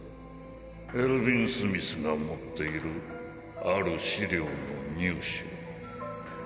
エルヴィン・スミスが持っているある資料の入手。